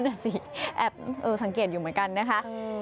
อ๋อนั่นแหละสิแอบสังเกตอยู่เหมือนกันนะคะ